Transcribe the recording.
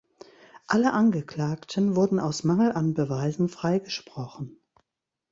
Alle Angeklagten wurden aus Mangel an Beweisen freigesprochen.